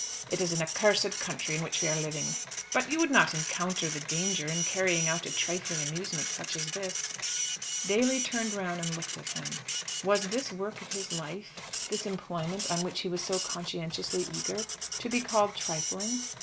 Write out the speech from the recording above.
It is an accursed country in which we are living." "But you would not encounter the danger in carrying out a trifling amusement such as this?" Daly again turned round and looked at him. Was this work of his life, this employment on which he was so conscientiously eager, to be called trifling?